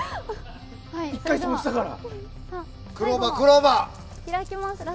１回、損したから。